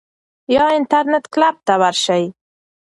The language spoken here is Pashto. یا انټرنیټ کلب ته ورشئ.